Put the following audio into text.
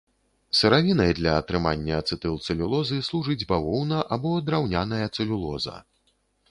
Сыравінай для атрымання ацэтылцэлюлозы служыць бавоўна або драўняная цэлюлоза.